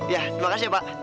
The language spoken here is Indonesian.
ya terima kasih pak